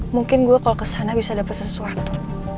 mungkin gue kalau ke sana bisa dapat sesuatu